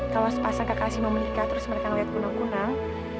kalau sepasang kakak asli memelihara terus mereka ngeliat kunang kunang